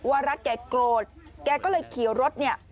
วารัฐแกโกรธแกก็เลยขี่รถเนี่ย